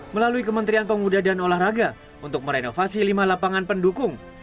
melalui kementerian pemuda dan olahraga untuk merenovasi lima lapangan pendukung